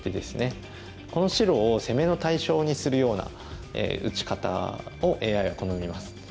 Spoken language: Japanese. この白を攻めの対象にするような打ち方をＡＩは好みます。